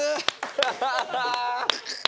ハハハッ。